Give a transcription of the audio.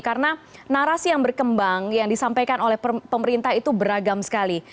karena narasi yang berkembang yang disampaikan oleh pemerintah itu beragam sekali